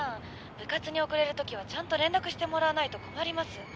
☎部活に遅れるときはちゃんと連絡してもらわないと困ります